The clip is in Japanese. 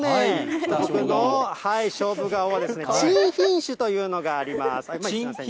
僕の勝負顔、珍品種というのがあります。